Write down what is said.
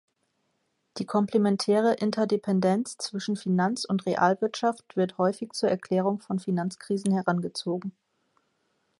Die komplementäre Interdependenz zwischen Finanz- und Realwirtschaft wird häufig zur Erklärung von Finanzkrisen herangezogen.